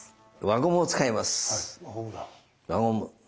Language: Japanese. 輪ゴムだ。